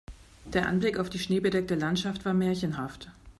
Der Anblick auf die schneebedeckte Landschaft war märchenhaft.